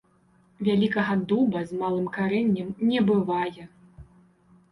Вялікага дуба з малым карэннем не бывае